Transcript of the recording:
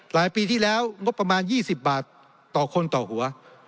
ปีที่แล้วงบประมาณ๒๐บาทต่อคนต่อหัว